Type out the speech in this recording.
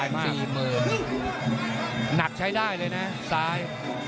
หนักใช้ได้เลยนะซ้าย